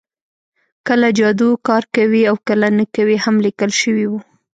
کله جادو کار کوي او کله نه کوي هم لیکل شوي وو